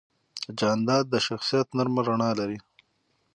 جانداد د شخصیت نرمه رڼا لري.